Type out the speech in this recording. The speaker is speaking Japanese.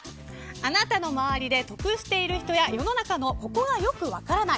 あなたの周りで、得している人や世の中のここがよく分からない。